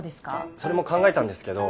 それも考えたんですけど